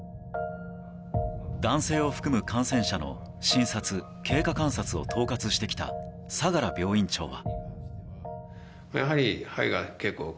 男性を含む感染者の診察・経過観察を統括してきた相良病院長は。